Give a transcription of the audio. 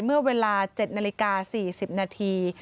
เมื่อเวลา๗นาฬิกา๔๐นาที